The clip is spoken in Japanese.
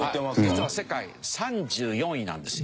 実は世界３４位なんですよ。